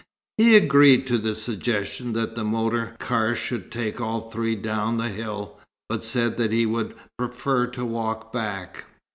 He agreed to the suggestion that the motor car should take all three down the hill, but said that he would prefer to walk back.